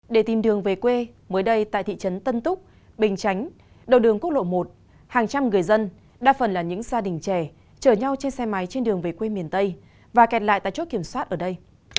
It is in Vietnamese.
để tìm đường về quê mới đây tại thị trấn tân túc bình chánh đầu đường quốc lộ một hàng trăm người dân đa phần là những gia đình trẻ chở nhau trên xe máy trên đường về quê miền tây và kẹt lại tại chốt kiểm soát ở đây